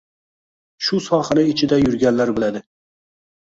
Shu sohani ichida yurganlar biladi